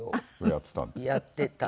やってた。